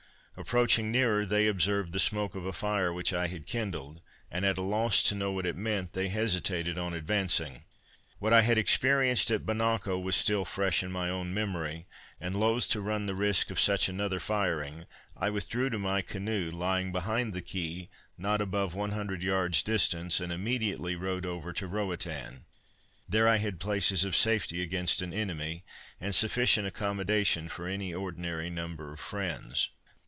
Approaching nearer, they observed the smoke of a fire which I had kindled, and at a loss to know what it meant, they hesitated on advancing. What I had experienced at Bonacco, was still fresh in my own memory, and loth to run the risk of such another firing, I withdrew to my canoe, lying behind the quay, not above 100 yards distant, and immediately rowed over to Roatan. There I had places of safety against an enemy, and sufficient accommodation for any ordinary number of friends.